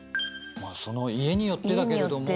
まあその家によってだけれども。